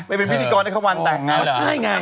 ไปเป็นพิธีกรให้เขาวันแต่งไง